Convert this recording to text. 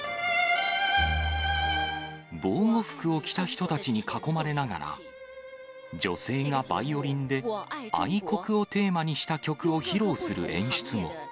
防護服を着た人たちに囲まれながら、女性がバイオリンで愛国をテーマにした曲を披露する演出も。